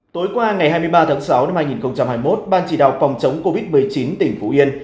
tối qua ngày hai mươi ba tháng sáu năm hai nghìn hai mươi một ban chỉ đạo phòng chống covid một mươi chín tp hcm